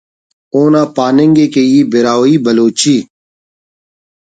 اونا پاننگ ءِ کہ ای براہوئی بلوچی